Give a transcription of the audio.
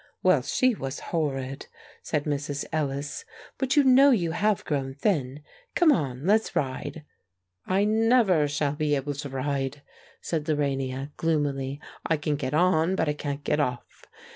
"Well, she was horrid," said Mrs. Ellis; "but you know you have grown thin. Come on; let's ride!" "I never shall be able to ride," said Lorania, gloomily. "I can get on, but I can't get off.